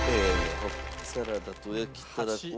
ホッキサラダと焼きたらこは。